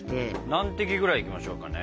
何滴ぐらいいきましょうかね？